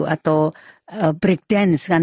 atau break dance kan